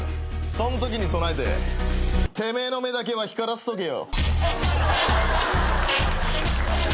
そんときに備えててめえの目だけは光らせとけよ。